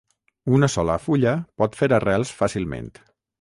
Una sola fulla pot fer arrels fàcilment.